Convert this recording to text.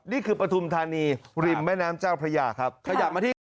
ปฐุมธานีริมแม่น้ำเจ้าพระยาครับขยับมาที่